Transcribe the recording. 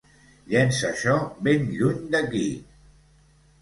Llença això ben lluny d'aquí!